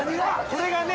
これがね。